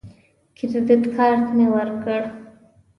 کریډټ کارت مې ورکړ.